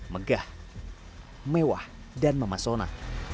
megah mewah dan memasona